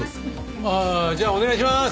ああじゃあお願いします！